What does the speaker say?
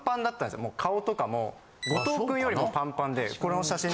顔とかも後藤君よりもパンパンでこの写真。